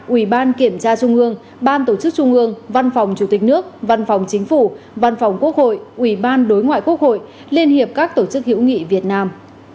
ủy ban đối ngoại quốc hội liên hiệp các tổ chức hiểu nghị việt nam